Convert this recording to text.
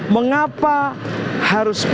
mengapa harus depok